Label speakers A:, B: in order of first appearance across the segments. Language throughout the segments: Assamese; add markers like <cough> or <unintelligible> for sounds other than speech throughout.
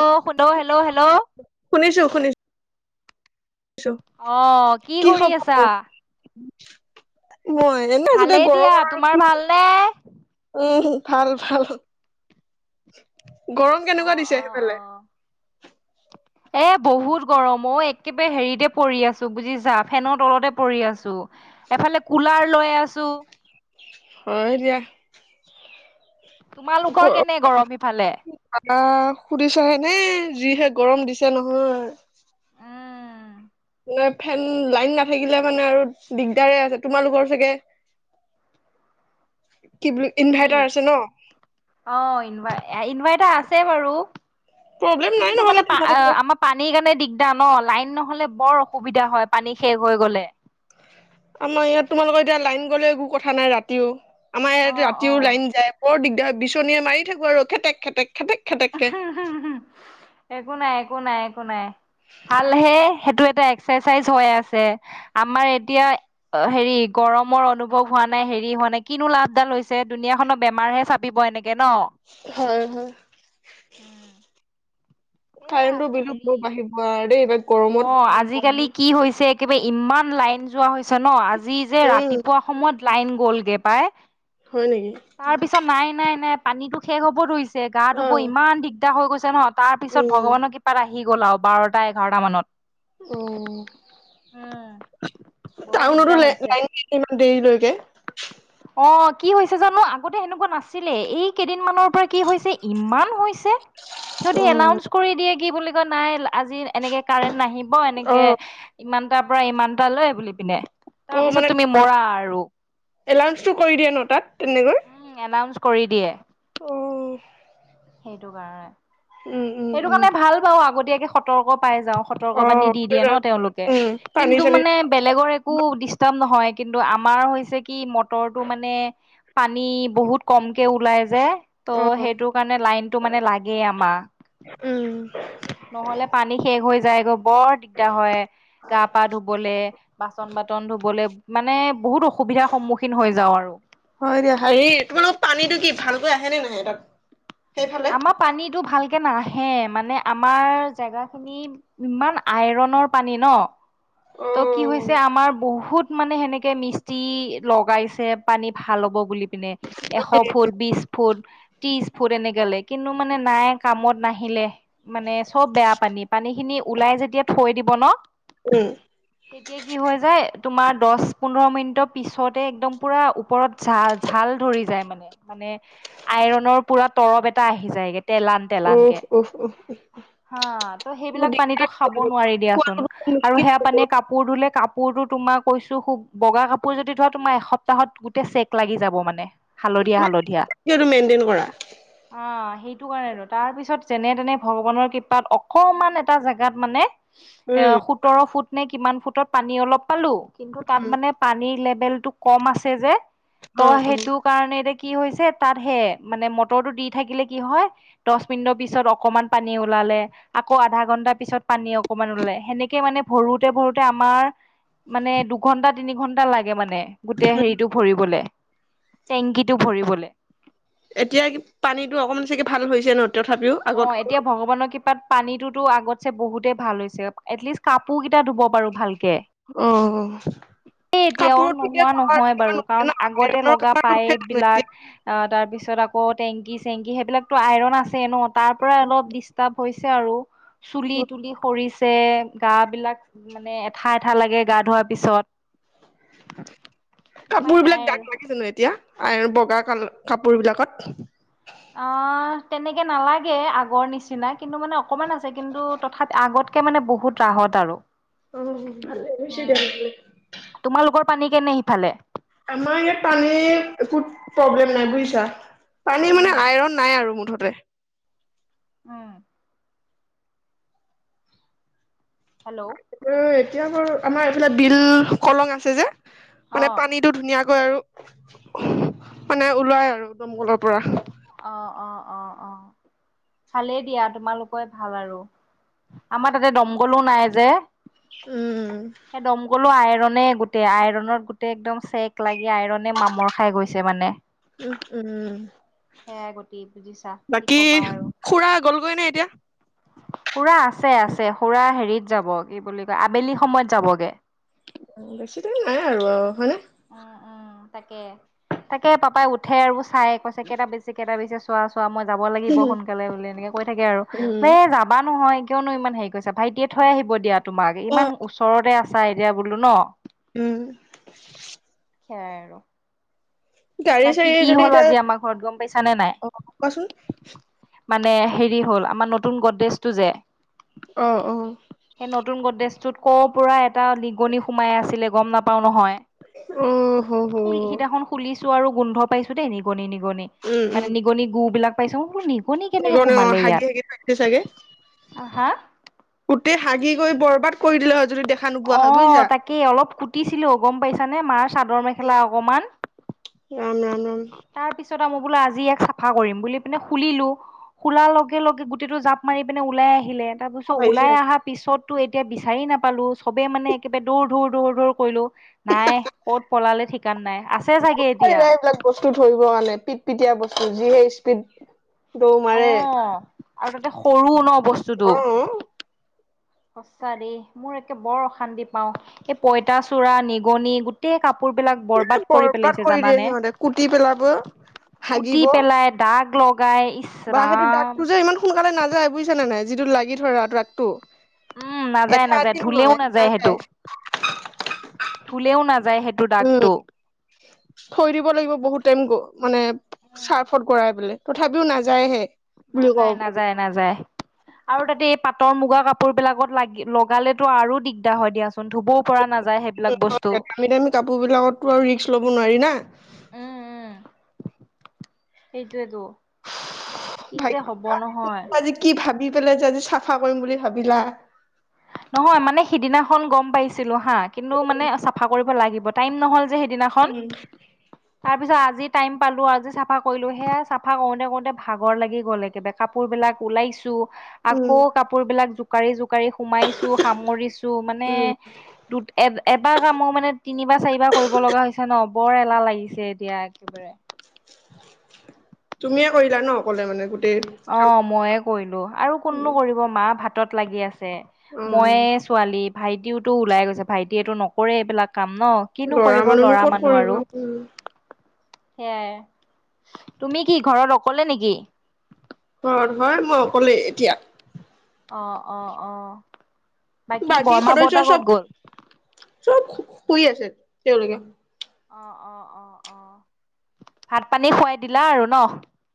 A: অ', শুন হেল্ল' হেল্ল'।
B: শুনিছো শুনিছো।
A: অ
B: কি
A: কৰি আছা
B: খবৰ? মই এনে আছো দে
A: ভালেই দিয়া
B: গৰমত আৰু
A: তোমাৰ
B: কি
A: ভালনে
B: উম, ভাল ভাল। গৰম কেনেকুৱা
A: অ'
B: দিছে
A: অ'
B: সেইফালে?
A: অ' এ বহুত গৰম অ' একেবাৰে হেৰিতে পৰি আছো বুজিছা ফেনৰ তলতে পৰি আছো। এফালে কুলাৰ লৈ আছো।
B: হয় দিয়া।
A: তোমালোকৰ কেনে গৰম ইফালে?
B: আমাৰ সুধিছাহেনে যিহে গৰম দিছে নহয়। ন ফেন লাইন নাথাকিলে মানে আৰু দিগদাৰে আছে তোমালোকৰ চাগে কি বুলি
A: কি
B: ইনভাৰ্টাৰ আছে ন।
A: অ', ইনভাৰ ইনভাৰ্টাৰ আছে বাৰু
B: প্ৰব্লেম নাই
A: কিন্তু
B: নহ'লে
A: মানে
B: তোমালোকৰ
A: আমাৰ পানীৰ কাৰণে দিগদাৰ ন লাইন নহ'লে বৰ অসুবিধা হয় পানী শেষ হৈ গ'লে।
B: আমাৰ ইয়াত তোমালোকৰ এতিয়া লাইন গ'লে একো কথা নাই ৰাতিও আমাৰ
A: অ
B: ইয়াত ৰাতিও
A: অ
B: লাইন যায়। বৰ দিগদাৰ হয় বিচনীয়ে মাৰি থাকো আৰু খেতেক খেতেক খেতেক
A: একো নাই একো নাই একো নাই ভালহে সেইটো এটা এক এক্সাৰচাইজ হৈ আছে আমাৰ এতিয়া অ', হেৰি গৰমৰ অনুভৱ হোৱা নাই হেৰি হোৱা নাই কিনো লাভডাল হৈছে দুুনীয়াখনৰ বেমাৰহে চা বিব এনেকে ন।
B: হয়, হয়।
A: উম।
B: কাৰেণ্টৰ বিলো বৰ বাঢ়িব দেই এইবা
A: অ', আজিকালি কি হৈছে একেবাৰে ইমান লাইন যোৱা হৈছে ন। আজি যে
B: উম
A: ৰাতিপুৱা সময়ত লাইন গ'লগে পাই
B: হয় নেকি?
A: তাৰ পিছত নাই - নাই - নাই, পানীতো শেষ হ'ব ধৰিছে গা
B: অ
A: ধুব ইমান দিগদাৰ হৈ গৈছে নহয় তাৰ পিছত
B: উম
A: ভগৱানৰ কৃপাত আহি গ'ল আৰু বাৰটা এঘাৰটা মানত।
B: অ',
A: উম বৰ
B: টাউনতো
A: দিগদাৰ
B: ল'
A: হৈছে।
B: লাইন <unintelligible> ইমান দেৰিলৈকে?
A: অ', কি হৈছে জানো আগতে সেনেকুৱা নাছিলে, এই কেইদিনমানৰ পৰা কি হৈছে ইমান হৈছে। সিহতি
B: অ
A: এলাউন্ঞ্চ কৰি দিয়ে কি বুলি কয় নাই আজি এনেকে কাৰেন্ট নাহিব
B: অ
A: এনেকে ইমানটা পাৰা ইমানটা লয় বুলি পিনে,
B: অ
A: তাৰপিছত
B: মানে
A: তুমি মৰা আৰু
B: এলাউঞ্চটো কৰি দিয়ে ন' তাত তেনেকৈ?
A: উম এনাউন্স কৰি দিয়ে।
B: অ',
A: সেইটো কাৰণে,
B: উম উম
A: সেইটো
B: উম
A: কাৰণে, ভাল বাৰু আগতীয়াকে সতৰ্ক পাই যাওঁ।
B: অ
A: সতৰ্ক বানী দি দিয়ে ন' তেওঁলোকে,
B: উম পানী
A: কিন্তু
B: চানী
A: মানে বেলেগৰ একো নহয় কিন্তু আমাৰ হৈছে কি মটৰটো মানে পানী বহুত কমকে ওলাই যে ত'
B: অ
A: সেইটো কাৰণে লাইনটো মানে লাগেই আমাৰ
B: উম,
A: নহলে পানী শেষ হৈ যায়গৈ বৰ দিগদাৰ হয় গা পা ধুবলে বাচন বাতন ধুবলৈ মানে বহুত অসুবিধাৰ সন্মুখীন হৈ যাওঁ আৰু।
B: হয় দিয়া হেৰি তোমালোক পানীটো কি ভালকৈ আহে নে নাহে তাত, সেইফালে
A: আমাৰ পানীটো ভালকে নাহে মানে আমাৰ জেগাখিনি ইমান আইৰনৰ পানী ন'
B: অ
A: ত' কি হৈছে আমাৰ বহুত মানে সেনেকে মিস্তি লগাইছে পানী ভাল হ'ব বুলি পিনে এশ ফুট, বিশ ফুট ত্ৰিছ ফুট এনেকেলে কিন্তু মানে নাই কামত নাহিলে। মানে চব বেয়া পানী, পানী খিনি ওলাই যেতিয়া থৈ দিব ন'
B: উম,
A: তেতিয়া কি হৈ যায় তোমাৰ দশ পোন্ধৰ মিনিটৰ পিছতে একদম পুৰা ওপৰত ঝাল - ঝাল ধৰি যায় মানে, মানে আইৰনৰ পুৰা তৰব এটা আহি যায়গে তেলান তেলানকে
B: উমহ, উমহ,
A: হা, ত' সেইবিলাক পানীটো খাব নোৱাৰি দিয়াচোন
B: খোৱাটো
A: আৰু সেয়া পানীয়ে কাপোৰ ধুলে কাপোৰ তো তোমাৰ কৈছো খুব বগা কাপোৰ যদি ধোৱা তোমাৰ এসপ্তাহত গোটেই চেক লাগি যাব মানে, হালধীয়া হালধীয়া
B: মেইনটেইন কৰা
A: অ', সেইটো কাৰণেতো, তাৰপিছত যেনে তেনে ভগৱানৰ কৃপাত অকমান এটা জোগাত মানে এ
B: উম,
A: সোতৰ ফুট নে কিমান ফুটত পানী অলপ পালো কিন্তু তাত
B: উম,
A: মানে পানীৰ লেভেল টো কম আছে যে ত'
B: অ', অ',
A: সেইটোক কাৰণে এতিয়া কি হৈছে তাত সে মানে মটৰটো দি থাকিলে কি হয় দশ মিনিটৰ পিছত অকমান পানী ওলালে আকৌ আধা ঘণ্টা পিছত পানী অকমান ওলাই, সেনেকে মানে ভৰোত তে ভৰোতে আমাৰ মানে দুঘন্টা তিনি ঘণ্টা লাগে মানে গোটেই হেৰিটো ভৰিবলে টেংকিটো ভৰিবলে
B: এতিয়া কি পানীটো অকণমান চাগে ভাল হৈছে ন? তথাপিও
A: অ',
B: আগত
A: এতিয়া ভগৱানৰ কৃপাত পানীটোতো আগতছে বহুতেই ভাল হৈছে, এটলিষ্ট কাপোৰ কেইটা ধুব পাৰো ভালকে।
B: অ',
A: এই এতিয়াও
B: কাপোৰত এতিয়া
A: নোহোৱা
B: কালাৰ
A: নহয়
B: কিছুমান
A: বাৰু
B: উঠে
A: কাৰণ
B: ন
A: আগতে
B: আইৰনৰ
A: লগা
B: কালাৰটো উঠে
A: পাইপ
B: জানো
A: বিলাক
B: এতিয়া?
A: আ, তাৰ পিছত আকৌ টেংকি চেংকি সেইবিলাকতো আইৰন আছে ন' তাৰ পৰাই অলপ ডিষ্টাৰ্ব হৈছে হৈছে আৰু চুলি তুলি সৰিছে গা বিলাক মানে এঠা এঠা লাগে গা ধোৱাৰ পিছত উপায়
B: কাপোৰ
A: নাই
B: বিলাক
A: আৰু
B: দাগ লাগে জানো এতিয়া, বগা কাল কাপোৰ বিলাকত?
A: আ, তেনেকে নালাগে আগৰ নিচিনা কিন্তু মানে অকমান আছে কিন্তু তথা আগত তে মানে বহুত ৰাহত আৰু
B: অ ভালে
A: তোমালোকৰ পানী কেনে সিফালে?
B: আমাৰ ইয়াত পানীৰ কুত প্ৰব্লেম নাই বুজিছা। পানী মানে
A: উম
B: আইৰণ নাই আৰু মুঠতে।
A: উম। হেল্ল'।
B: অ', এতিয়া বাৰ আমাৰ এইফালে বিল কলং আছে যে মানে পানীত টো ধুনীয়াকৈ আৰু মানে ওলাই আৰু দমকলৰ পৰা।
A: অ', অ', অ', অ', ভালেই দিয়া তোমালোকে ভাল আৰু। আমাৰ তাতে দমকললো নাই যে।
B: উম।
A: সেই দমকলো আইৰণ গোটেই আইৰণত গোটেই একদম চেক লাগি আইৰণ মামৰ খাই গৈছে মানে
B: উ, উম,
A: সেয়াই গতি বুজিছা কি
B: বাকী
A: কবা আৰু
B: খুৰা গ'লগৈ নাই এতিয়া।
A: সুৰা আছে, আছে সুৰা, হেৰিত যাব কি বুলি কয় আবেলি সময়ত যাবগে
B: বেছি দেৰি নাই আৰু অ', হয়নে।
A: উম উম তাকে তাকে পাপাই উঠে আৰু চাই কৈছে কেইটা বাজিছে কেইটা বাজিছে চোৱা চোৱা। চোৱা মই যাব লাগিব সোনকালে বুলি এনেকে কৈ থাকে আৰু
B: উম,
A: এই যাৱ যাবা নহয় কিয়নো ইমান হেৰি কৰিছা ভাইটিয়ে থৈ আহিব দিয়া তোমাক ইমান ওচৰতে আছে চাই এতিয়া বোলো ন।
B: উম।
A: খেয়াই আৰু
B: গাড়ী
A: বা কি
B: চাড়ী
A: কি
B: যদি
A: হ'ল
B: এতিয়া
A: আজি আমাৰ ঘৰত গ'ম পাইছা নে নাই।
B: অ' কোৱাচোন।
A: মানে হেৰি হ'ল আমাৰ নতুন গদ্ৰেজটো যে
B: অ', অ',।
A: সেই নতুন গ্ৰদ্ৰেজটোত ক'ৰ পৰা এটা নিগনি সোমাই আছিলে গ'ম নাপাওঁ নহয়।
B: উম, হু, হু
A: খুলি সিদিনাখন খুলিছো আৰু গোন্ধ পাইছো দেই নিগনি, নিগনি
B: উম,
A: মানে
B: উম,
A: নিগনি নিগনি গু বিলাক পাইছো মই বোলো নিগনি কেনেকে
B: সেইকাৰণে অ'
A: সোমালে
B: হাগি
A: ইয়াত
B: হাগি থাকিছে চাগে।
A: হা
B: গোটেই হাগি গৈ বৰবাদ কৰি দিলে হয় যদি দেখা নোপোৱা হয়
A: অ',
B: বুজিছা।
A: তাকেই অলপ কুটিছিলো গ'ম পাইছানে মাৰ চাদৰ মেখেলা অকমান
B: ৰাম, ৰাম, ৰাম।
A: তাৰ পিছত আৰু মই বোলো আজি ইয়াক চাফা কৰিম বুলি পিনে খুলিলো খোলাৰ লগে লগে গোটেইটো জাপ মাৰি পিনে ওলাই আহিলে তাৰপিছত
B: খং আহিছে।
A: ওলাই অহা পিছততো এতিয়া বিচাৰি নাপালোঁ চবেই মানে একেবাৰে দৌৰ দৌৰ, দৌৰ, দৌৰ কৰিলোঁ। নাই ক'ত পলালে ঠিকান নাই আছে
B: ক'ত
A: চাগে এতিয়া।
B: পাৰিবা এইবিলাক বস্তু ধৰিব কাৰণে পিট পিটিয়া বস্তু যিহে স্পীড দৌৰ মাৰে।
A: অ', আৰু তাতে সৰু ন
B: অ'
A: বস্তুতটো সঁচা দেই মোৰ একে বৰ অশান্তি পাওঁ, এই পঁইতাচোৰা নিগনি গোট গোটেই কাপোৰ বিলাক
B: এ
A: বৰবাদ কৰি পেলাইছে
B: দিয়ে
A: জানানে।
B: সিহঁতে কুটি পেলাব,
A: কুটি
B: হাগিব।
A: পেলাই দাগ লগাই
B: বা সেইটো
A: ৰাম
B: দাগতটো যে ইমান সোনকালে নাযায় বুজিছা নে নাই যিটো লাগি ধৰা দাগটো
A: উম, নাযায়,
B: এঠা
A: নাযায়
B: এঠি
A: ধুলেও
B: নহয়
A: নাযায় সেইটো ধুলেও নাযায় সেইটো।
B: উম,
A: দাগটো।
B: থৈ দিব লাগিব বহুত টাইম গ মানে
A: উম,
B: চাৰ্ফত গৰাই পেলাই। তথাপিও নাযায়হে। বুলি ক'ব
A: নাযায়, নাযায়, নাযায়। আৰু তাতে এই পাটৰ মুগা কাপোৰ বিলাকত লাগি লগালেতো আৰু দিগদাৰ হয় দিয়াচোন ধুবও পৰা নাযায় সেই
B: দামী, দামী কাপোৰ বিলাকতটো আৰু ৰিস্ক ল'ব নোৱাৰি না।
A: এইেইটো এটো
B: ভাগ্য আজি কি ভাবি পেলাই যে আজি চাফা কৰিম বুলি ভাবিলা।
A: নহয় মানে সিদিনাখন গ'ম পাইছিলো হা কিন্তু মানে চাফা কৰিব লাগিব টাইম নহ'ল যে সেইদিনাখন। খন। তাৰপিছত আজি টাইম পালোঁ আজি চাফা কৰিলো সেয়া চফা কৰোঁতে কৰোঁতে ভাগৰ লাগি গ'ল একেবাৰে কাপোৰ বিলাক ওলাইছো
B: উম
A: আকৌ কাপোৰ বিলাক জোকাৰি জোকাৰি সোমাইছো সামৰিছো মানে দু এটা এবাৰ কামো মানে তিনিবাৰ চাৰিবাৰ কৰিব লগা হৈছে ন বৰ এলাহ লাগিছে এতিয়া একেবাৰে
B: তুমিয়ে কৰিলা ন অকলে মানে গোটেই কাম
A: অ', মইয়ে কৰিলো আৰু কোননো কৰিব মা ভাতত লাগি আছে
B: অ
A: মই ছোৱালী ভাইটিওতো ওলাই গৈছে, ভাইটিয়েটো নকৰে এইবিলাক কাম ন কিনো কৰিব
B: মানুহনো
A: ল'ৰা
B: ক'ত
A: মানুহ
B: কৰিব
A: আৰু
B: উম
A: সেয়াই তুমি কি ঘৰত অকলে নেকি?
B: ঘৰত হয় মই অকলে এতিয়া।
A: অ', অ', অ', বাকী বৰমা
B: সদস্য
A: বৰটা
B: চব
A: কত গ'ল
B: চব শুই আছে তেওঁলোকে
A: অ', অ', অ', অ', ভাত পানী খোৱাই দিলা আৰু ন।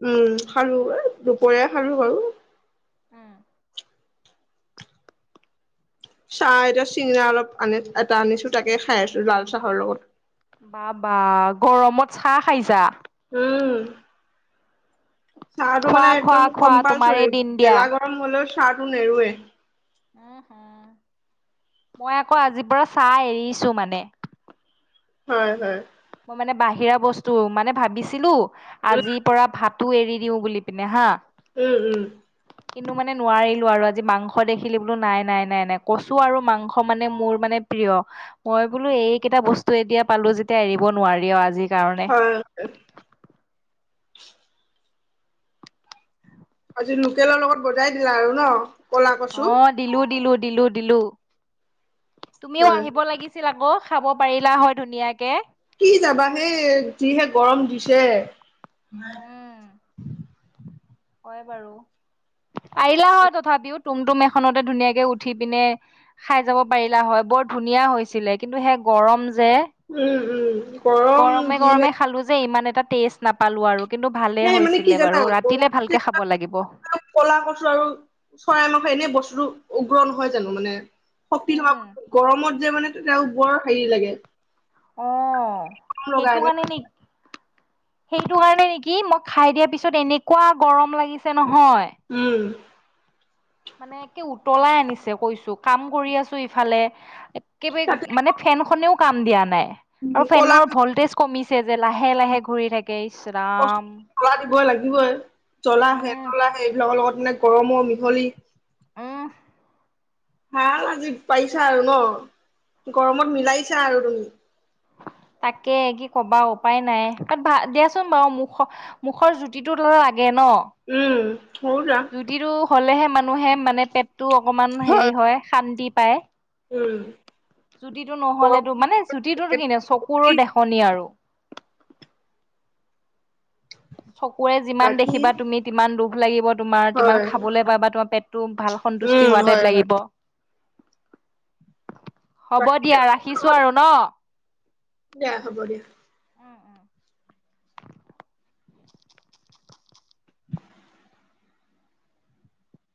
B: উম খালোঁ দুপৰীয়া খালোঁ বাৰু
A: <inaudible>
B: চাহ এতিয়া চিঙৰা অলপ আনি এটা আনিছো তাকে খাই আছো লাল চাহৰ লগত
A: বা বা গৰমত চাহ খাই যা
B: উম চাহটো
A: খোৱা
B: মানে
A: খোৱা
B: একদম
A: খোৱা তোমাৰে
B: কম্পালচৰি
A: দিন দিয়া।
B: গেলা গৰম হলেও চাহটো নেৰুৱে
A: মই আকৌ আজিৰ পৰা চাহ এৰিছো মানে
B: হয় হয়।
A: মই মানে বাহিৰা বস্তু মানে ভাবিছিলো আজিৰ পৰা ভাতো এৰি দিও বুলি পনে হা
B: উম উম
A: <unintelligible> কিন্তু মানে নোৱাৰিলো আৰু আজি মাংস দেখিলি বোলো নাই নাই নাই নাই কচু আৰু মাংস মানে মোৰ মানে প্ৰিয় মই বোলো এইকেইটা বস্তু এতিয়া পালো যেতিয়া এৰিব নোৱাৰি আৰু আজি
B: হয়। আজি লোকেলৰ লগত বজাই দিলা আৰু ন কলা কচু
A: অ', দিলো দিলো দিলো দিলো তুমিও
B: হয়
A: আহিব লাগিছিল ছিল আকৌ খাব পাৰিলা হয় ধুনীয়াকে
B: কি যাবা সেই যিহে গৰম দিছে
A: ক বাৰু আহিলা হয় তথাপিও তুম তুম এখনতে ধুনীয়াকে উঠি পিনে খাই যাব পাৰিলা হয় বৰ ধুনীয়া হৈছিলে কিন্তু সেই গৰম যে
B: উম উম গৰম
A: গৰমে
B: যিহে
A: গৰমে খালো যে ইমান এটা টেষ্ট নাপালো আৰু কিন্তু ভালে
B: সেই মানে কি
A: হৈছিলে
B: জানা
A: বাৰু ৰাতিলে
B: গৰম যে
A: ভালকে
B: এটা
A: খাব লাগিব।
B: ক'লা কচু আৰু চৰাই মাংস এনেই বস্তুটো উগ্ৰ নহয় জানো মানে শক্তি
A: উম
B: নাপাব গৰমত যে মানে তেতিয়া বৰ হেৰি লাগে
A: আহ
B: লগা
A: সেইটো
B: এনে
A: কাৰণে নেক সেইটো কাৰণে নেকি মই খাই দিয়াৰ পিছত এনেকুৱা গৰম লাগিছে নহয়
B: উম
A: মানে একে উতলাই আনিছে কৈছো কাম কৰি আছো ইফালে কে
B: তাতে
A: মানে ফেনখনেও কাম দিয়া নাই আৰু
B: কলা
A: ফেনৰ ভলটেজ কমিছে যে লাহে লাহে ঘূৰি থাকে ইচৰাম
B: জলা দিবই লাগিবই জ্বলা হে তলাহে এইবিলাকৰ লগত মানে গৰমৰ মিহলি
A: অহ
B: ভ আজি পাৰিছা আৰু ন গৰমত মিলাইছা আৰু তুমি
A: তাকে কি কবা উপায় নাই ভ দিয়াচোন বাৰু মখ মুখৰ জুতিটো লাগে ন,
B: উম্, সেইটোৱে।
A: জুতিটো হ'লেহে মানুহে মানে পেটটো অকমান হেৰি হয়, শান্তি পায়।
B: উম
A: জুতিটো নহ'লেতো মানে জুতিটোতো কিনো চকুৰৰ দেখনি আৰু। চকুৰে যিমান
B: বাকী
A: দেখিবা তুমি, সিমান দুখ লাগিব। তোমাৰ কিমান
B: হয়
A: খাবলৈ পাবা, তোমাৰ পেটটো ভাল
B: উম
A: সন্তুষ্টি হোৱা
B: হয়
A: টাইপ
B: হয়
A: লাগিব। হ'ব
B: বাকী
A: দিয়া, ৰাখিছো আৰু ন।
B: দিয়া হ'ব দিয়া।